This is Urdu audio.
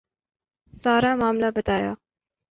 سارا معاملہ بتایا۔